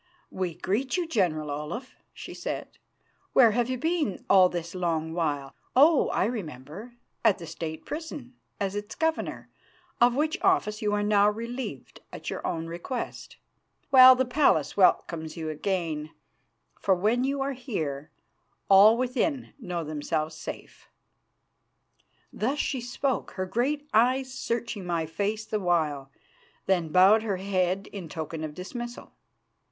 "We greet you, General Olaf," she said. "Where have you been all this long while? Oh! I remember. At the State prison, as its governor, of which office you are now relieved at your own request. Well, the palace welcomes you again, for when you are here all within know themselves safe." Thus she spoke, her great eyes searching my face the while, then bowed her head in token of dismissal.